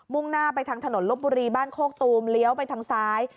่งหน้าไปทางถนนลบบุรีบ้านโคกตูมเลี้ยวไปทางซ้าย